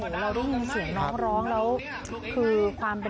ไม่ได้บังคับ